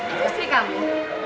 itu sih kamu